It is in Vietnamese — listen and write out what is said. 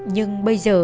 nhưng bây giờ